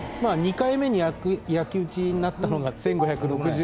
２回目に焼き討ちになったのが１５６７年。